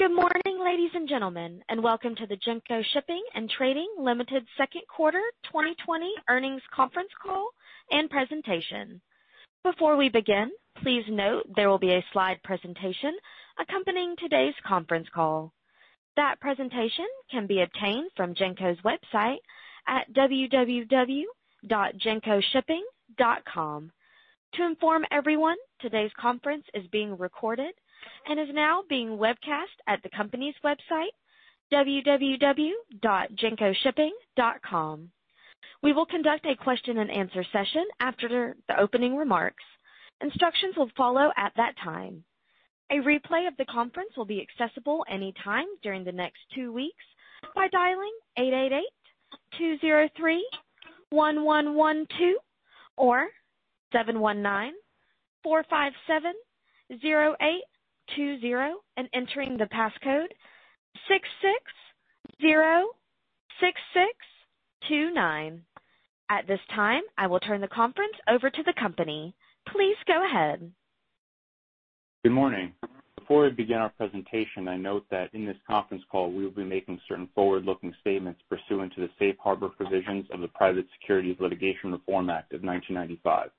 Good morning, ladies and gentlemen, and welcome to the Genco Shipping & Trading Limited Q2 2020 earnings conference call and presentation. Before we begin, please note there will be a slide presentation accompanying today's conference call. That presentation can be obtained from Genco's website at www.gencoshipping.com. To inform everyone, today's conference is being recorded and is now being webcast at the company's website, www.gencoshipping.com. We will conduct a question and answer session after the opening remarks. Instructions will follow at that time. A replay of the conference will be accessible any time during the next two weeks by dialing 888-203-1112 or 719-457-0820 and entering the passcode 6,606,629. At this time, I will turn the conference over to the company. Please go ahead. Good morning. Before we begin our presentation, I note that in this conference call we will be making certain forward-looking statements pursuant to the Safe Harbor provisions of the Private Securities Litigation Reform Act of 1995.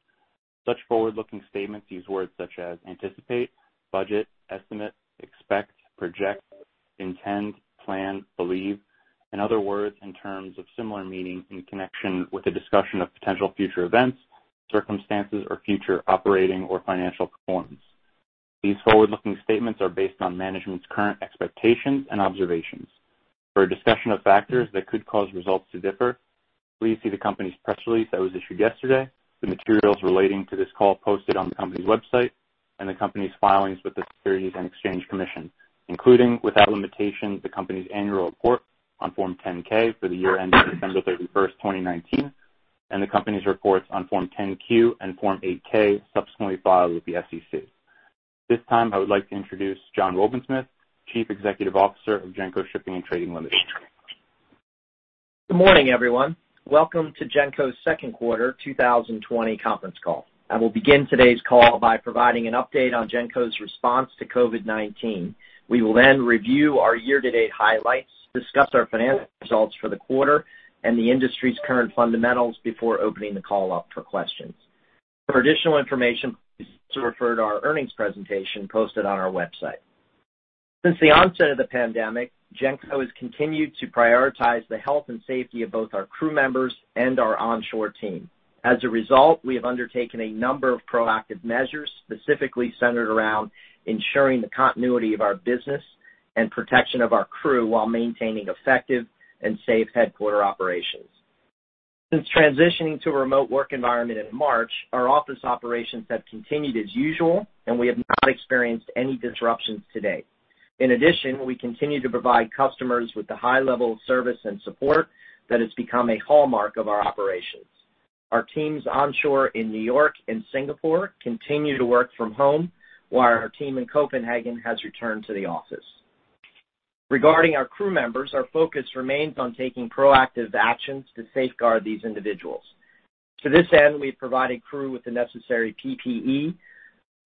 Such forward-looking statements use words such as anticipate, budget, estimate, expect, project, intend, plan, believe, and other words and terms of similar meaning in connection with a discussion of potential future events, circumstances or future operating or financial performance. These forward-looking statements are based on management's current expectations and observations. For a discussion of factors that could cause results to differ, please see the company's press release that was issued yesterday, the materials relating to this call posted on the company's website, and the company's filings with the Securities and Exchange Commission, including, without limitation, the company's annual report on Form 10-K for the year ending December 31st, 2019, and the company's reports on Form 10-Q and Form 8-K subsequently filed with the SEC. At this time, I would like to introduce John Wobensmith, Chief Executive Officer of Genco Shipping & Trading Limited. Good morning, everyone. Welcome to Genco's Q2 2020 conference call. I will begin today's call by providing an update on Genco's response to COVID-19. We will review our year-to-date highlights, discuss our financial results for the quarter, and the industry's current fundamentals before opening the call up for questions. For additional information, please also refer to our earnings presentation posted on our website. Since the onset of the pandemic, Genco has continued to prioritize the health and safety of both our crew members and our onshore team. As a result, we have undertaken a number of proactive measures specifically centered around ensuring the continuity of our business and protection of our crew while maintaining effective and safe headquarter operations. Since transitioning to a remote work environment in March, our office operations have continued as usual, and we have not experienced any disruptions to date. In addition, we continue to provide customers with the high level of service and support that has become a hallmark of our operations. Our teams onshore in New York and Singapore continue to work from home, while our team in Copenhagen has returned to the office. Regarding our crew members, our focus remains on taking proactive actions to safeguard these individuals. To this end, we've provided crew with the necessary PPE,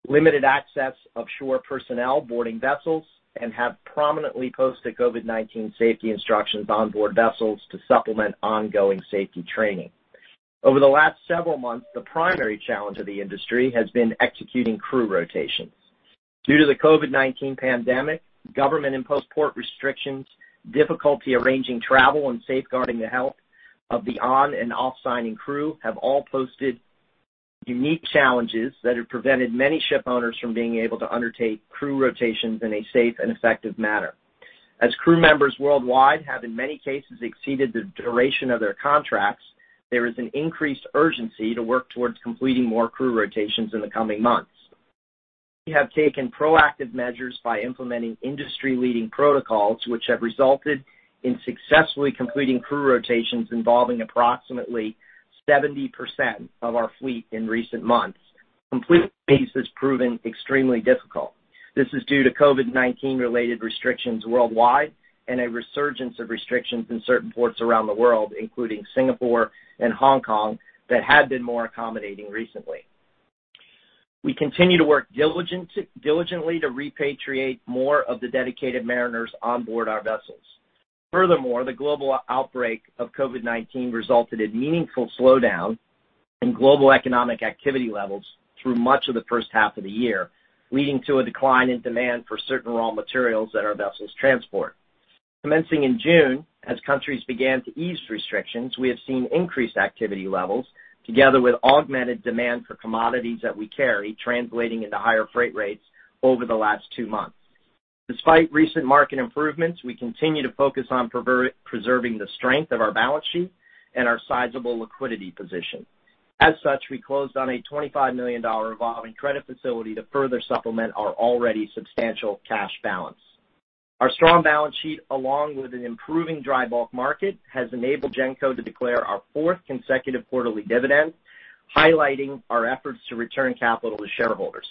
limited access of shore personnel boarding vessels, and have prominently posted COVID-19 safety instructions onboard vessels to supplement ongoing safety training. Over the last several months, the primary challenge of the industry has been executing crew rotations. Due to the COVID-19 pandemic, government-imposed port restrictions, difficulty arranging travel, and safeguarding the health of the on and off-signing crew have all posted unique challenges that have prevented many ship owners from being able to undertake crew rotations in a safe and effective manner. As crew members worldwide have in many cases exceeded the duration of their contracts, there is an increased urgency to work towards completing more crew rotations in the coming months. We have taken proactive measures by implementing industry-leading protocols, which have resulted in successfully completing crew rotations involving approximately 70% of our fleet in recent months. Completing these has proven extremely difficult. This is due to COVID-19 related restrictions worldwide and a resurgence of restrictions in certain ports around the world, including Singapore and Hong Kong, that had been more accommodating recently. We continue to work diligently to repatriate more of the dedicated mariners onboard our vessels. Furthermore, the global outbreak of COVID-19 resulted in meaningful slowdown in global economic activity levels through much of the H1 of the year, leading to a decline in demand for certain raw materials that our vessels transport. Commencing in June, as countries began to ease restrictions, we have seen increased activity levels together with augmented demand for commodities that we carry, translating into higher freight rates over the last two months. Despite recent market improvements, we continue to focus on preserving the strength of our balance sheet and our sizable liquidity position. As such, we closed on a $25 million revolving credit facility to further supplement our already substantial cash balance. Our strong balance sheet, along with an improving dry bulk market, has enabled Genco to declare our fourth consecutive quarterly dividend, highlighting our efforts to return capital to shareholders.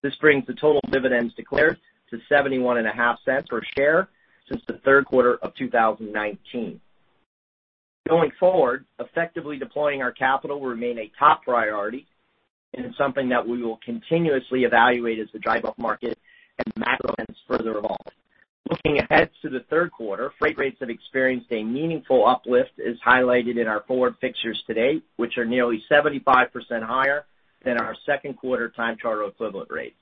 This brings the total dividends declared to $0.715 per share since the Q3 of 2019. Going forward, effectively deploying our capital will remain a top priority and is something that we will continuously evaluate as the dry bulk market and macro trends further evolve. Looking ahead to the Q3, freight rates have experienced a meaningful uplift, as highlighted in our forward fixtures to date, which are nearly 75% higher than our Q2 time charter equivalent rates.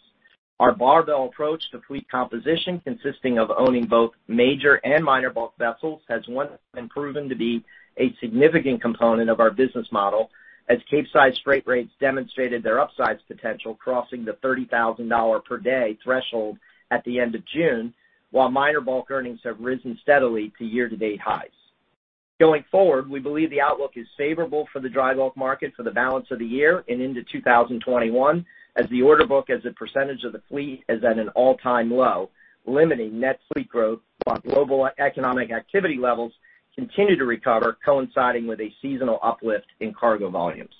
Our barbell approach to fleet composition, consisting of owning both major and minor bulk vessels, has once again proven to be a significant component of our business model, as Capesize freight rates demonstrated their upside potential, crossing the $30,000 per day threshold at the end of June, while minor bulk earnings have risen steadily to year-to-date highs. Going forward, we believe the outlook is favorable for the drybulk market for the balance of the year and into 2021, as the order book as a percentage of the fleet is at an all-time low, limiting net fleet growth, while global economic activity levels continue to recover, coinciding with a seasonal uplift in cargo volumes.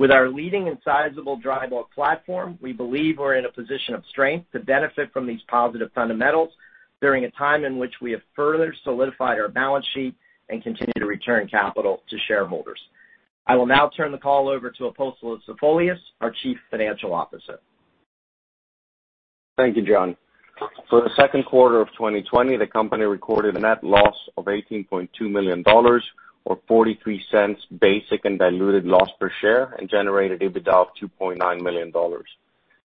With our leading and sizable dry bulk platform, we believe we're in a position of strength to benefit from these positive fundamentals during a time in which we have further solidified our balance sheet and continue to return capital to shareholders. I will now turn the call over to Apostolos Zafolias, our Chief Financial Officer. Thank you, John. For the Q2 of 2020, the company recorded a net loss of $18.2 million, or $0.43 basic and diluted loss per share, and generated EBITDA of $2.9 million.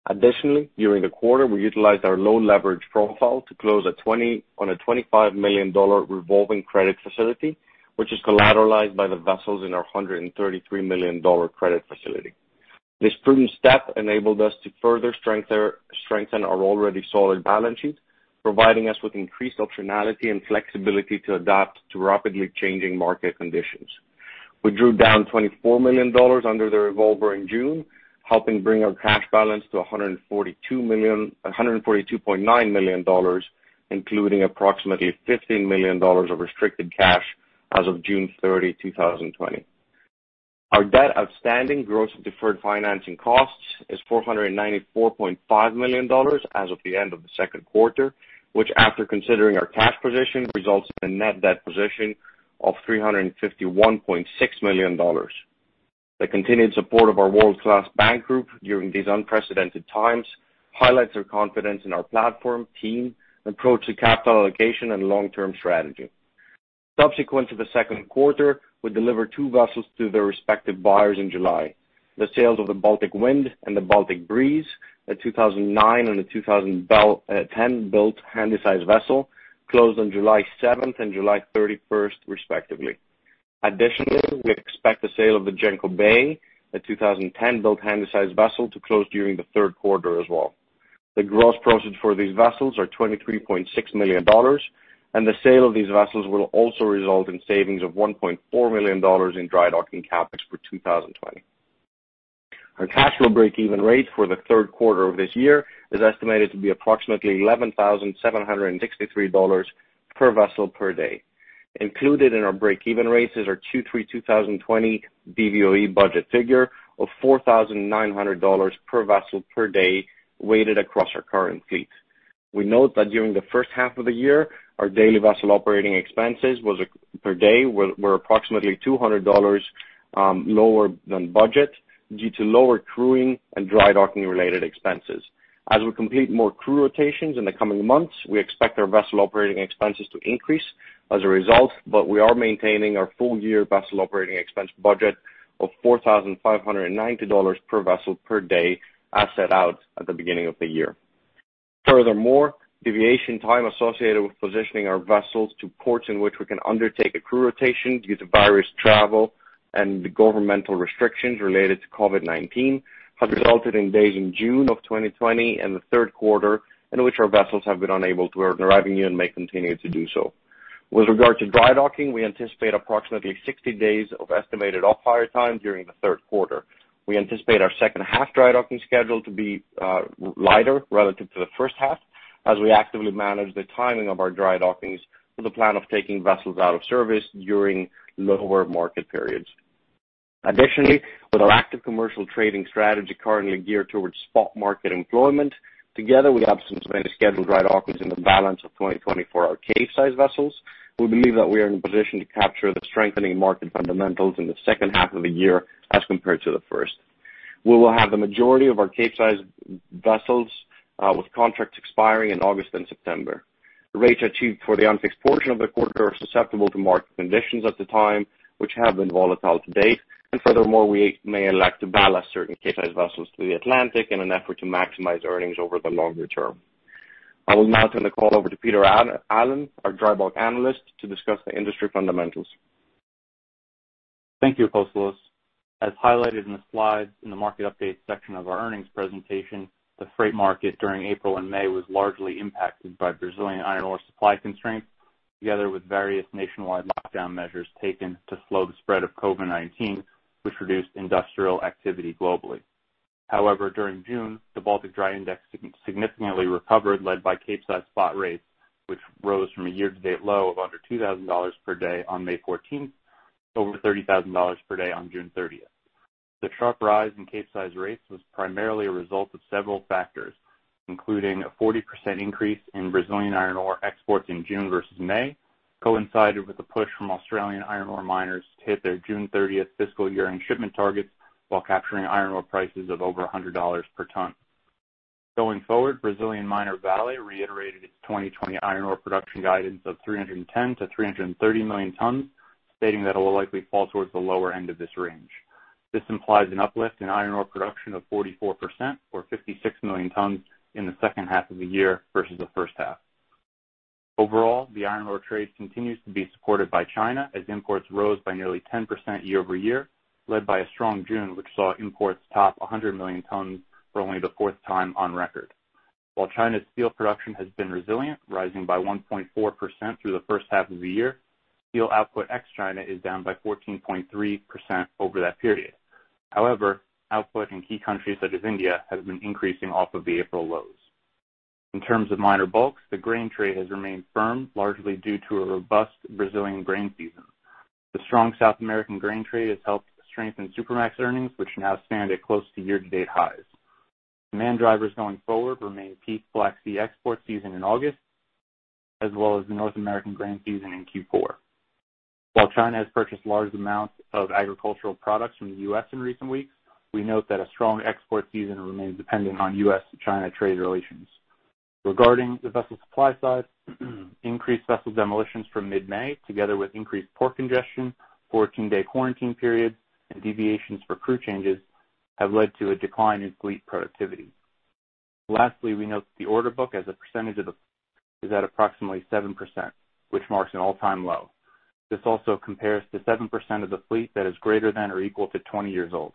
Additionally, during the quarter, we utilized our loan leverage profile to close on a $25 million revolving credit facility, which is collateralized by the vessels in our $133 million credit facility. This prudent step enabled us to further strengthen our already solid balance sheet, providing us with increased optionality and flexibility to adapt to rapidly changing market conditions. We drew down $24 million under the revolver in June, helping bring our cash balance to $142.9 million, including approximately $15 million of restricted cash as of June 30th, 2020. Our debt outstanding gross of deferred financing costs is $494.5 million as of the end of the Q2, which, after considering our cash position, results in a net debt position of $351.6 million. The continued support of our world-class bank group during these unprecedented times highlights their confidence in our platform, team, approach to capital allocation, and long-term strategy. Subsequent to the Q2, we delivered two vessels to their respective buyers in July. The sales of the Baltic Wind and the Baltic Breeze, a 2009 and a 2010-built Handysize vessel, closed on July 7th and July 31st respectively. Additionally, we expect the sale of the Genco Bay, a 2010-built Handysize vessel, to close during the Q3 as well. The gross proceeds for these vessels are $23.6 million, and the sale of these vessels will also result in savings of $1.4 million in dry docking CapEx for 2020. Our cash flow break-even rate for the Q3 of this year is estimated to be approximately $11,763 per vessel per day. Included in our break-even rates is our 2020 DVOE budget figure of $4,900 per vessel per day, weighted across our current fleet. We note that during the H1 of the year, our daily vessel operating expenses per day were approximately $200 lower than budget due to lower crewing and dry docking-related expenses. As we complete more crew rotations in the coming months, we expect our vessel operating expenses to increase as a result, but we are maintaining our full-year vessel operating expense budget of $4,590 per vessel per day, as set out at the beginning of the year. Furthermore, deviation time associated with positioning our vessels to ports in which we can undertake a crew rotation due to various travel and governmental restrictions related to COVID-19 has resulted in days in June 2020 and the Q3 in which our vessels have been unable to earn revenue and may continue to do so. With regard to dry docking, we anticipate approximately 60 days of estimated off-hire time during the Q3. We anticipate our second-half dry docking schedule to be lighter relative to the H1 as we actively manage the timing of our dry dockings with a plan of taking vessels out of service during lower market periods. Additionally, with our active commercial trading strategy currently geared towards spot market employment, together with the absence of any scheduled dry dockings in the balance of 2024 for our Capesize vessels, we believe that we are in a position to capture the strengthening market fundamentals in the H2 of the year as compared to the first. We will have the majority of our Capesize vessels with contracts expiring in August and September. The rates achieved for the unfixed portion of the quarter are susceptible to market conditions at the time, which have been volatile to date. Furthermore, we may elect to ballast certain Capesize vessels to the Atlantic in an effort to maximize earnings over the longer term. I will now turn the call over to Peter Allen, our dry bulk analyst, to discuss the industry fundamentals. Thank you, Apostolos. As highlighted in the slides in the market update section of our earnings presentation, the freight market during April and May was largely impacted by Brazilian iron ore supply constraints, together with various nationwide lockdown measures taken to slow the spread of COVID-19, which reduced industrial activity globally. During June, the Baltic Dry Index significantly recovered, led by Capesize spot rates, which rose from a year-to-date low of under $2,000 per day on May 14th to over $30,000 per day on June 30th. The sharp rise in Capesize rates was primarily a result of several factors, including a 40% increase in Brazilian iron ore exports in June versus May, coincided with a push from Australian iron ore miners to hit their June 30th fiscal year-end shipment targets while capturing iron ore prices of over $100 per ton. Going forward, Brazilian miner Vale reiterated its 2020 iron ore production guidance of 310 million tons-330 million tons, stating that it will likely fall towards the lower end of this range. This implies an uplift in iron ore production of 44%, or 56 million tons, in the H2 of the year versus the H1. Overall, the iron ore trade continues to be supported by China as imports rose by nearly 10% year-over-year, led by a strong June, which saw imports top 100 million tons for only the fourth time on record. While China's steel production has been resilient, rising by 1.4% through the H1 of the year, steel output ex-China is down by 14.3% over that period. However, output in key countries such as India has been increasing off of the April lows. In terms of minor bulks, the grain trade has remained firm, largely due to a robust Brazilian grain season. The strong South American grain trade has helped strengthen Supramax earnings, which now stand at close to year-to-date highs. Demand drivers going forward remain peak Black Sea export season in August, as well as the North American grain season in Q4. While China has purchased large amounts of agricultural products from the U.S. in recent weeks, we note that a strong export season remains dependent on U.S.-China trade relations. Regarding the vessel supply side, increased vessel demolitions from mid-May, together with increased port congestion, 14-day quarantine periods, and deviations for crew changes, have led to a decline in fleet productivity. Lastly, we note that the order book as a percentage of the fleet is at approximately 7%, which marks an all-time low. This also compares to 7% of the fleet that is greater than or equal to 20 years old.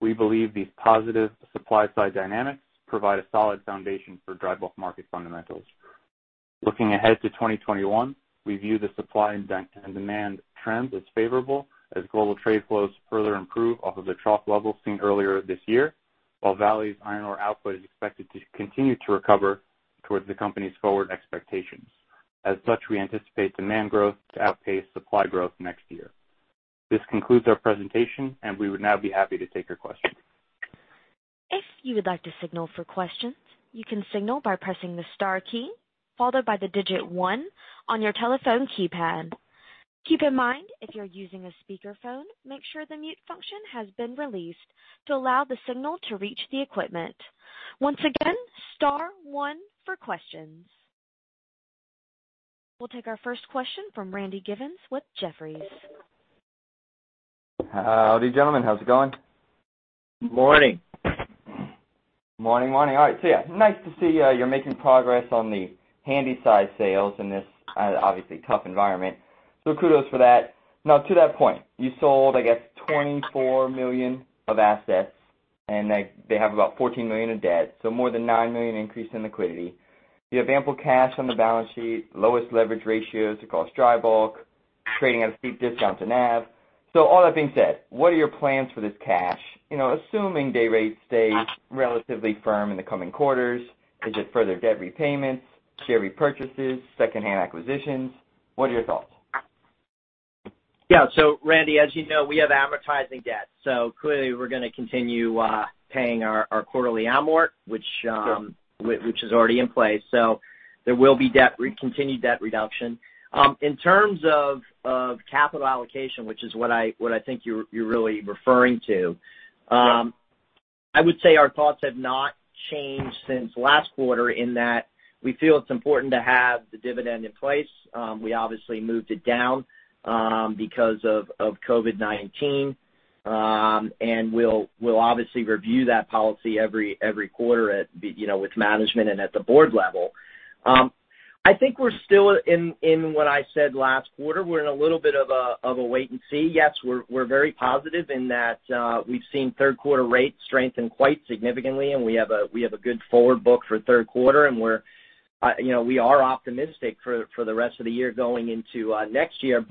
We believe these positive supply-side dynamics provide a solid foundation for dry bulk market fundamentals. Looking ahead to 2021, we view the supply and demand trends as favorable as global trade flows further improve off of the trough levels seen earlier this year, while Vale's iron ore output is expected to continue to recover towards the company's forward expectations. As such, we anticipate demand growth to outpace supply growth next year. This concludes our presentation, and we would now be happy to take your questions. We'll take our first question from Randy Giveans with Jefferies. Howdy, gentlemen. How's it going? Morning. Morning. All right. Yeah, nice to see you're making progress on the Handysize sales in this obviously tough environment. Kudos for that. Now to that point. You sold, I guess, $24 million of assets, and they have about $14 million of debt, so more than $9 million increase in liquidity. You have ample cash on the balance sheet, lowest leverage ratios across dry bulk, trading at a steep discount to NAV. All that being said, what are your plans for this cash? Assuming day rates stay relatively firm in the coming quarters, is it further debt repayments, share repurchases, secondhand acquisitions? What are your thoughts? Yeah. Randy, as you know, we have amortizing debt, clearly we're going to continue paying our quarterly amort. Sure is already in place. There will be continued debt reduction. In terms of capital allocation, which is what I think you're really referring to. Yeah I would say our thoughts have not changed since last quarter in that we feel it's important to have the dividend in place. We obviously moved it down because of COVID-19. We'll obviously review that policy every quarter with management and at the board level. I think we're still in what I said last quarter, we're in a little bit of a wait and see. Yes, we're very positive in that we've seen Q3 rates strengthen quite significantly, and we have a good forward book for Q3, and we are optimistic for the rest of the year going into next year.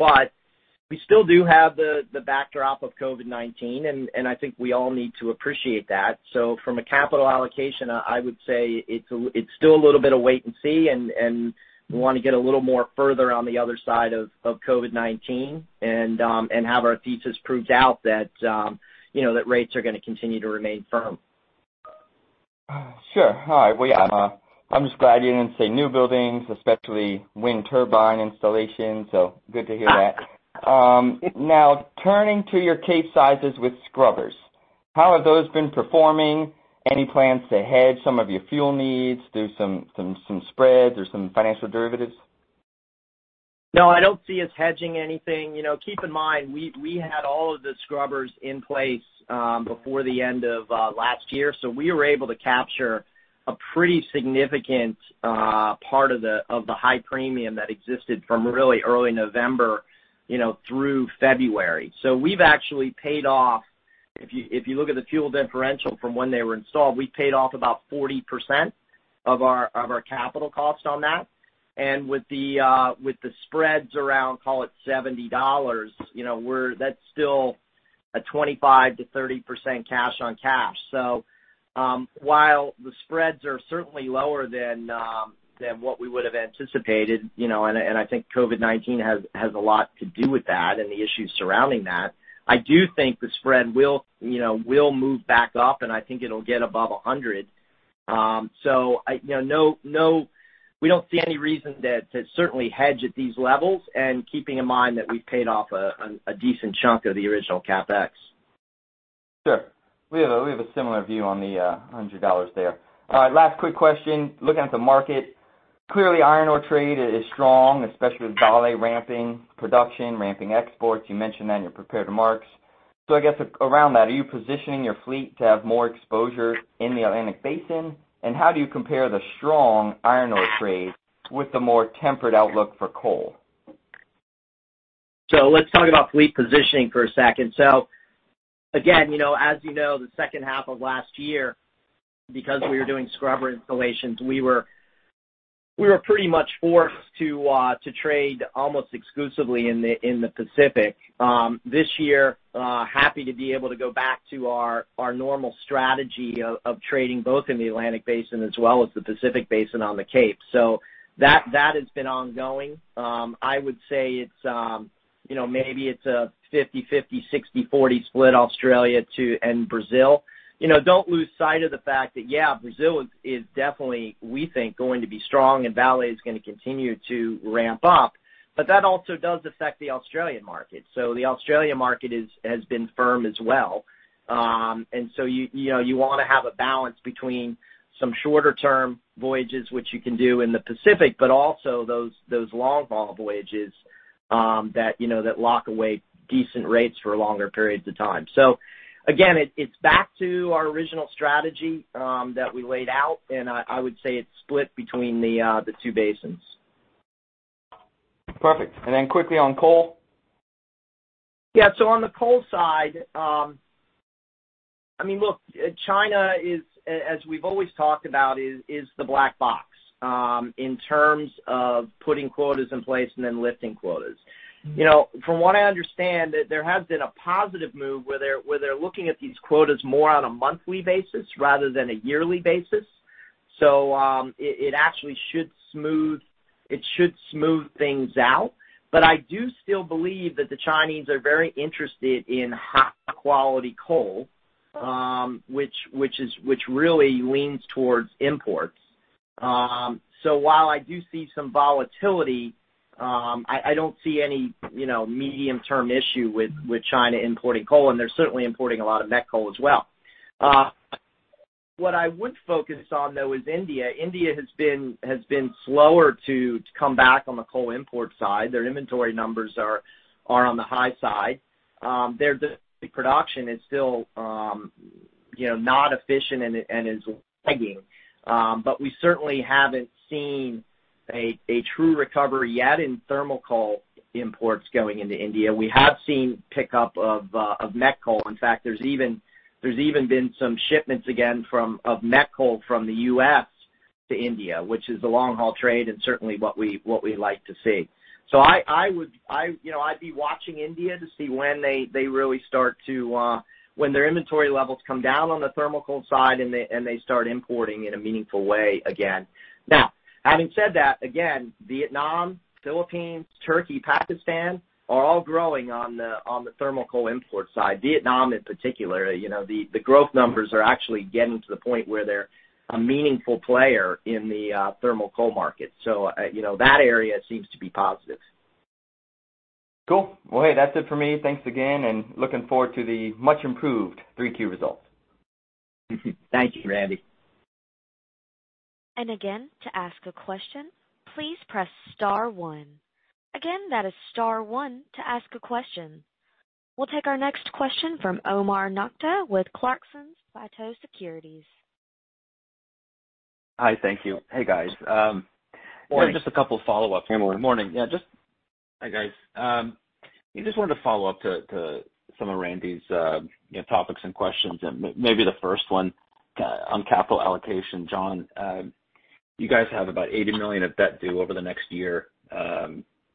We still do have the backdrop of COVID-19, and I think we all need to appreciate that. From a capital allocation, I would say it's still a little bit of wait and see, and we want to get a little more further on the other side of COVID-19 and have our thesis proved out that rates are going to continue to remain firm. Sure. All right. Well, yeah. I'm just glad you didn't say new buildings, especially wind turbine installations, so good to hear that. Turning to your Capesizes with scrubbers, how have those been performing? Any plans to hedge some of your fuel needs through some spreads or some financial derivatives? No, I don't see us hedging anything. Keep in mind, we had all of the scrubbers in place before the end of last year, we were able to capture a pretty significant part of the high premium that existed from really early November through February. We've actually paid off, if you look at the fuel differential from when they were installed, we paid off about 40% of our capital cost on that. With the spreads around, call it $70, that's still a 25%-30% cash on cash. While the spreads are certainly lower than what we would have anticipated, and I think COVID-19 has a lot to do with that and the issues surrounding that, I do think the spread will move back up, and I think it'll get above 100. We don't see any reason to certainly hedge at these levels, and keeping in mind that we've paid off a decent chunk of the original CapEx. Sure. We have a similar view on the $100 there. All right, last quick question. Looking at the market, clearly iron ore trade is strong, especially with Vale ramping production, ramping exports. You mentioned that in your prepared remarks. I guess around that, are you positioning your fleet to have more exposure in the Atlantic Basin? How do you compare the strong iron ore trade with the more tempered outlook for coal? Let's talk about fleet positioning for a second. Again, as you know, the H2 of last year, because we were doing scrubber installations, we were pretty much forced to trade almost exclusively in the Pacific. This year, happy to be able to go back to our normal strategy of trading both in the Atlantic Basin as well as the Pacific Basin on the Cape. That has been ongoing. I would say maybe it's a 50/50, 60/40 split Australia and Brazil. Don't lose sight of the fact that, yeah, Brazil is definitely, we think, going to be strong and Vale is going to continue to ramp up, that also does affect the Australian market. The Australian market has been firm as well. You want to have a balance between some shorter-term voyages, which you can do in the Pacific, but also those long-haul voyages that lock away decent rates for longer periods of time. Again, it's back to our original strategy that we laid out, and I would say it's split between the two basins. Perfect. Then quickly on coal? Yeah. On the coal side, look, China is, as we've always talked about, is the black box in terms of putting quotas in place and then lifting quotas. From what I understand, there has been a positive move where they're looking at these quotas more on a monthly basis rather than a yearly basis. It actually should smooth things out. I do still believe that the Chinese are very interested in high-quality coal, which really leans towards imports. While I do see some volatility, I don't see any medium-term issue with China importing coal, and they're certainly importing a lot of met coal as well. What I would focus on, though, is India. India has been slower to come back on the coal import side. Their inventory numbers are on the high side. Their domestic production is still not efficient and is lagging. We certainly haven't seen a true recovery yet in thermal coal imports going into India. We have seen pickup of met coal. In fact, there's even been some shipments again of met coal from the U.S. to India, which is the long-haul trade and certainly what we'd like to see. I'd be watching India to see when their inventory levels come down on the thermal coal side and they start importing in a meaningful way again. Having said that, again, Vietnam, Philippines, Turkey, Pakistan are all growing on the thermal coal import side. Vietnam in particular. The growth numbers are actually getting to the point where they're a meaningful player in the thermal coal market. That area seems to be positive. Cool. Well, hey, that's it for me. Thanks again, and looking forward to the much-improved three Q results. Thank you, Randy. Again, to ask a question, please press star one. Again, that is star one to ask a question. We will take our next question from Omar Nokta with Clarksons Platou Securities. Hi, thank you. Hey, guys. Morning. Just a couple follow-ups. Hey, Omar. Morning. Yeah. Hi, guys. I just wanted to follow up to some of Randy's topics and questions, and maybe the first one on capital allocation. John, you guys have about $80 million of debt due over the next year.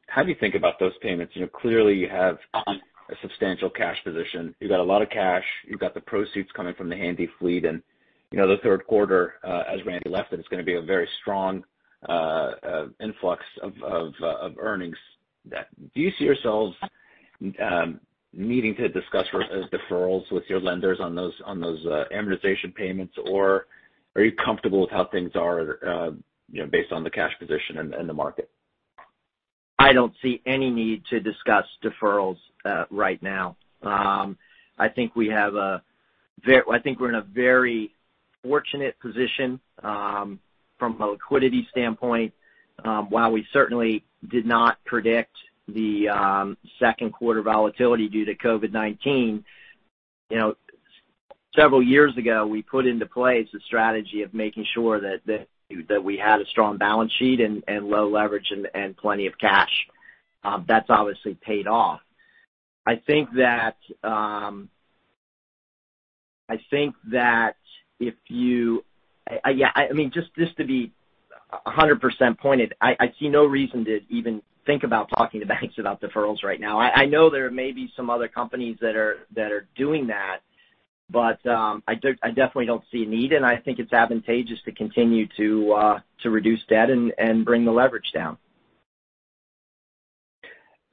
How do you think about those payments? Clearly you have a substantial cash position. You've got a lot of cash. You've got the proceeds coming from the Handysize fleet. The Q3, as Randy left it, is going to be a very strong influx of earnings. Do you see yourselves needing to discuss deferrals with your lenders on those amortization payments, or are you comfortable with how things are based on the cash position and the market? I don't see any need to discuss deferrals right now. I think we're in a very fortunate position from a liquidity standpoint. While we certainly did not predict the Q2 volatility due to COVID-19, several years ago, we put into place a strategy of making sure that we had a strong balance sheet and low leverage and plenty of cash. That's obviously paid off. Just to be 100% pointed, I see no reason to even think about talking to banks about deferrals right now. I know there may be some other companies that are doing that, but I definitely don't see a need, and I think it's advantageous to continue to reduce debt and bring the leverage down.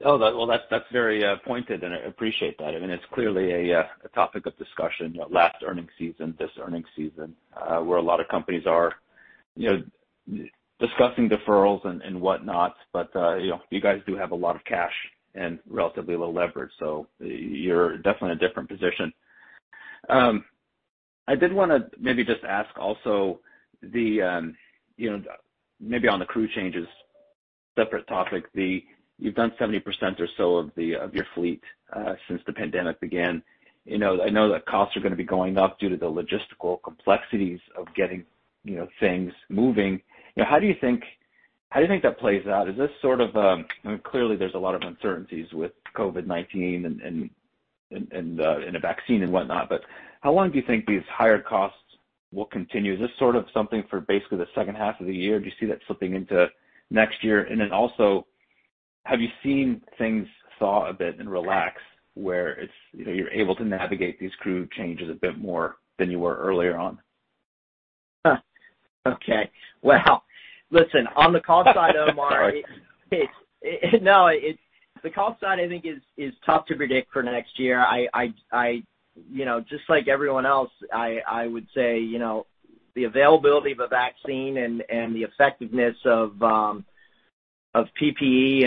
Oh, well, that's very pointed and I appreciate that. It's clearly a topic of discussion last earning season, this earning season, where a lot of companies are discussing deferrals and whatnot. You guys do have a lot of cash and relatively low leverage, so you're definitely in a different position. I did want to maybe just ask also, maybe on the crew changes, separate topic. You've done 70% or so of your fleet since the pandemic began. I know that costs are going to be going up due to the logistical complexities of getting things moving. How do you think that plays out? Clearly, there's a lot of uncertainties with COVID-19 and a vaccine and whatnot, but how long do you think these higher costs will continue? Is this something for basically the H2 of the year? Do you see that slipping into next year? Have you seen things thaw a bit and relax where you're able to navigate these crew changes a bit more than you were earlier on? Okay. Well, listen, on the cost side, Omar- Sorry. No. The cost side, I think is tough to predict for next year. Just like everyone else, I would say, the availability of a vaccine and the effectiveness of PPE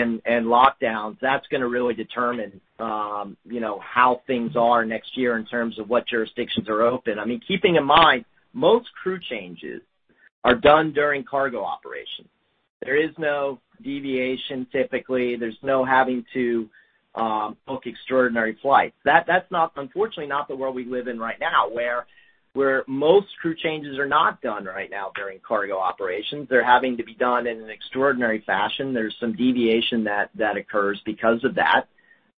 and lockdowns, that's going to really determine how things are next year in terms of what jurisdictions are open. Keeping in mind, most crew changes are done during cargo operations. There is no deviation typically. There's no having to book extraordinary flights. That's unfortunately not the world we live in right now, where most crew changes are not done right now during cargo operations. They're having to be done in an extraordinary fashion. There's some deviation that occurs because of that.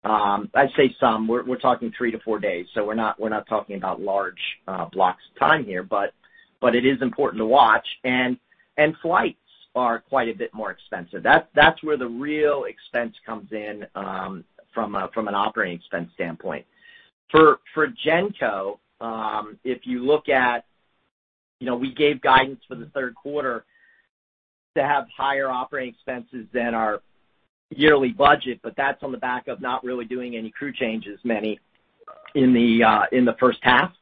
I'd say some, we're talking three to four days, so we're not talking about large blocks of time here. It is important to watch. Flights are quite a bit more expensive. That's where the real expense comes in from an operating expense standpoint. For Genco, We gave guidance for the Q3 to have higher operating expenses than our yearly budget, That's on the back of not really doing any crew changes, many in the H1.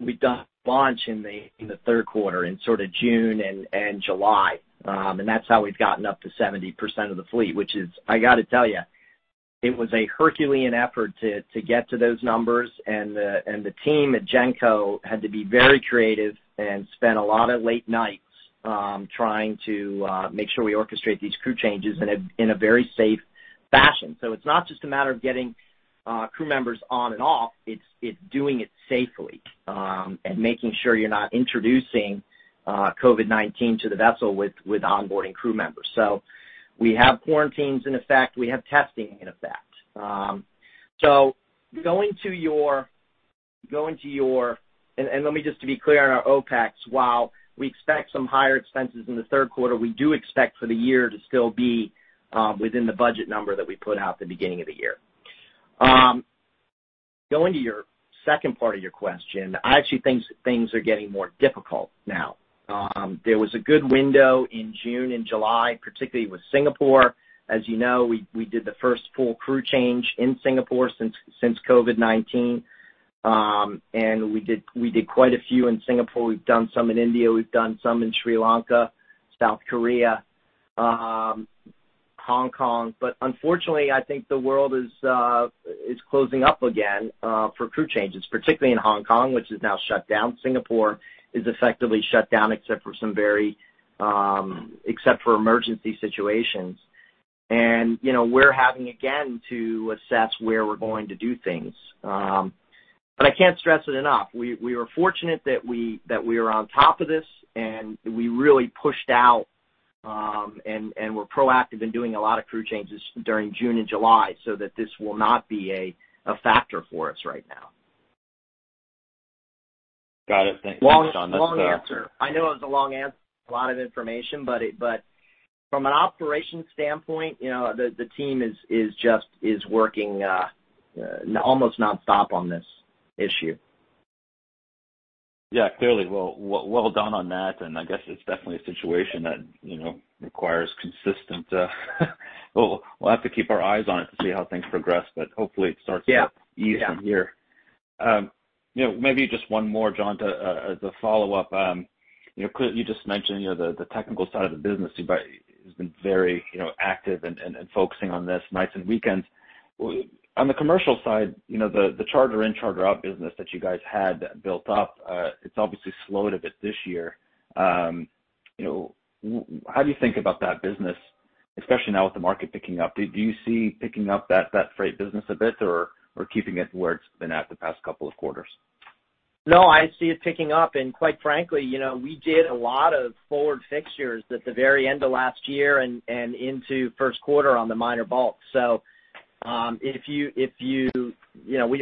We've done a bunch in the Q3, in sort of June and July. That's how we've gotten up to 70% of the fleet, which is, I got to tell you, it was a Herculean effort to get to those numbers. The team at Genco had to be very creative and spent a lot of late nights trying to make sure we orchestrate these crew changes in a very safe fashion. It's not just a matter of getting crew members on and off, it's doing it safely and making sure you're not introducing COVID-19 to the vessel with onboarding crew members. We have quarantines in effect. We have testing in effect. Let me just to be clear on our OPEX, while we expect some higher expenses in the Q3, we do expect for the year to still be within the budget number that we put out at the beginning of the year. Going to your second part of your question, I actually think things are getting more difficult now. There was a good window in June and July, particularly with Singapore. As you know, we did the first full crew change in Singapore since COVID-19. We did quite a few in Singapore. We've done some in India. We've done some in Sri Lanka, South Korea, Hong Kong. Unfortunately, I think the world is closing up again for crew changes, particularly in Hong Kong, which is now shut down. Singapore is effectively shut down except for emergency situations. We're having again to assess where we're going to do things. I can't stress it enough. We were fortunate that we were on top of this, and we really pushed out and were proactive in doing a lot of crew changes during June and July so that this will not be a factor for us right now. Got it. Thanks, John. Long answer. I know it was a long answer, a lot of information. From an operations standpoint, the team is working almost nonstop on this issue. Yeah, clearly. Well done on that. I guess it's definitely a situation that requires consistent. We'll have to keep our eyes on it to see how things progress. Hopefully. Yeah ease from here. Maybe just one more, John, as a follow-up. You just mentioned the technical side of the business has been very active and focusing on this, nights and weekends. On the commercial side, the charter in, charter out business that you guys had built up, it's obviously slowed a bit this year. How do you think about that business, especially now with the market picking up? Do you see picking up that freight business a bit or keeping it where it's been at the past couple of quarters? No, I see it picking up. Quite frankly, we did a lot of forward fixtures at the very end of last year and into Q1 on the minor bulk.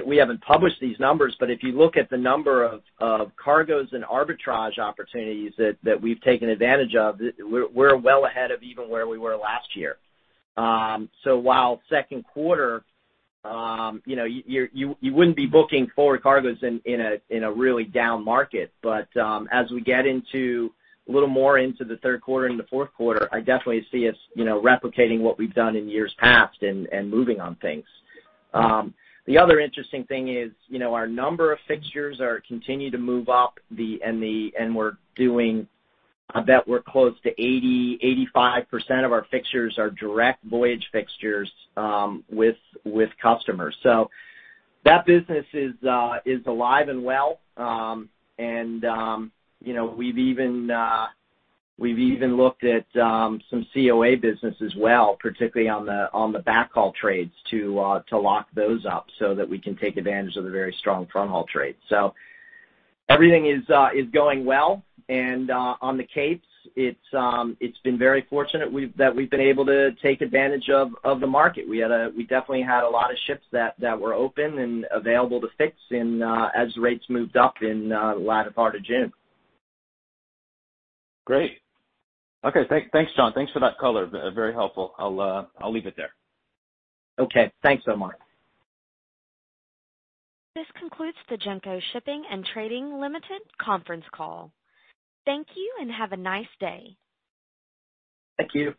We haven't published these numbers, but if you look at the number of cargoes and arbitrage opportunities that we've taken advantage of, we're well ahead of even where we were last year. While Q2, you wouldn't be booking forward cargoes in a really down market. As we get a little more into the Q3 and the Q4, I definitely see us replicating what we've done in years past and moving on things. The other interesting thing is our number of fixtures are continuing to move up, and I bet we're close to 80%, 85% of our fixtures are direct voyage fixtures with customers. That business is alive and well. We've even looked at some COA business as well, particularly on the backhaul trades, to lock those up so that we can take advantage of the very strong front haul trades. Everything is going well. On the Capes, it's been very fortunate that we've been able to take advantage of the market. We definitely had a lot of ships that were open and available to fix as rates moved up in the latter part of June. Great. Okay, thanks, John. Thanks for that color. Very helpful. I'll leave it there. Okay. Thanks so much. This concludes the Genco Shipping & Trading Limited conference call. Thank you and have a nice day. Thank you.